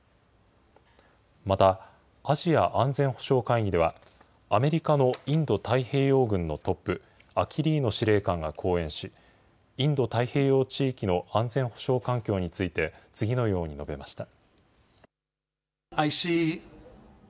また、アジア安全保障会議では、アメリカのインド太平洋軍のトップ、アキリーノ司令官が講演し、インド太平洋地域の安全保障環境について、次のように述べました。